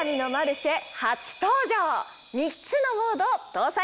３つのモードを搭載。